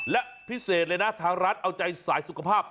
และพิเศษเลยนะทางร้านเอาใจสายสุขภาพ